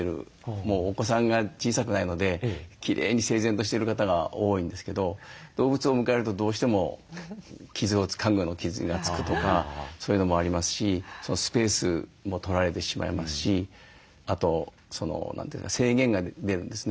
もうお子さんが小さくないのできれいに整然としてる方が多いんですけど動物を迎えるとどうしても家具の傷が付くとかそういうのもありますしスペースも取られてしまいますしあと制限が出るんですね。